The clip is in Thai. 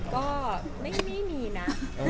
ก็ไม่มีนะ